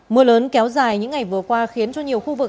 mưa lớn kéo dài những ngày vừa qua khiến cho nhiều khu vực